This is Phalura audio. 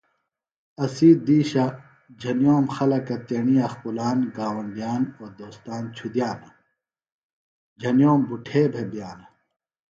اسی دیشہ جھنیِوم خلکہ تیݨی اخپُلان گاونڈیان او دوستان چُھدیانہ۔ جھنیوم بٹُھے بےۡ بئانہ۔